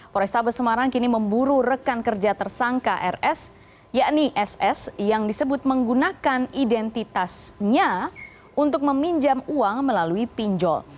polrestabes semarang kini memburu rekan kerja tersangka rs yakni ss yang disebut menggunakan identitasnya untuk meminjam uang melalui pinjol